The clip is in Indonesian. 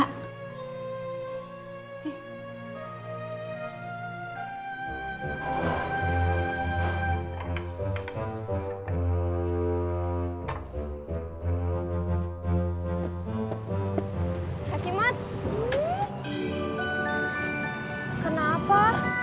kak cimut kenapa